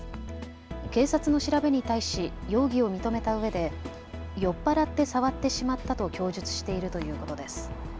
警察の調べに対し容疑を認めたうえで酔っ払って触ってしまったと供述しているということです。